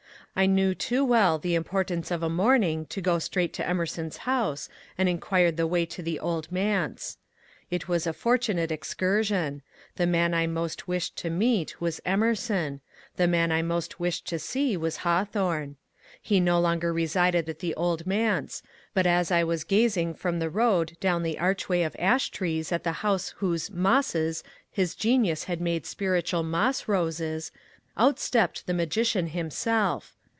I knew too well the importance of a morning to go straight to Emerson's house, and inquired the way to the Old Manse. It was a fortunate excursion. The man I most wished to meet was Emerson ; the man I most wished to see was Haw thorne. He no longer resided at the Old Manse, but as I was gazing from the road down the archway of ash trees at the house whose ^' mosses " his genius had made spiritual moss roses, out stepped the magician himself.